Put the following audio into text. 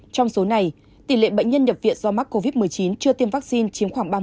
trong số này tỷ lệ bệnh nhân nhập viện do mắc covid một mươi chín chưa tiêm vaccine chiếm khoảng ba mươi